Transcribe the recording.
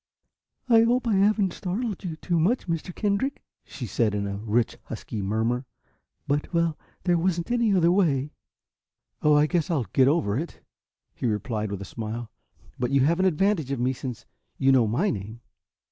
"I hope I haven't startled you too much, Mr. Kendrick," she said, in a rich, husky murmur, "but well, there wasn't any other way." "Oh, I guess I'll get over it," he replied with a smile. "But you have the advantage of me, since you know my name."